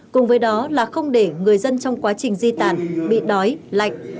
cùng với đó là không để người dân trong quá trình di tản bị đói lạnh